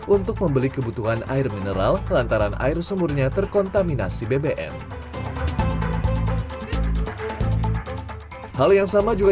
untuk membeli kebutuhan air mineral lantaran air sumurnya terkontaminasi bbm hal yang sama juga